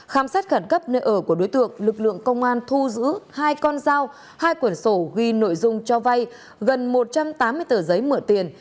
khám xét khẩn cấp nơi ở của đối tượng lực lượng công an thu giữ hai con dao hai quần sổ ghi nội dung cho vay gần một trăm tám mươi tờ giấy mượn tiền